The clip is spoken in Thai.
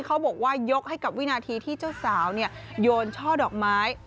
เขาบอกว่ายกให้กับวินาทีที่เจ้าสาวโยนช่อดอกไม้